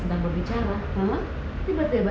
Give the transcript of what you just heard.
semuanya laku laku teman teman